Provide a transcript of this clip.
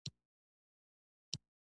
ډېره کېناستله اخېر نااوميده لاړه.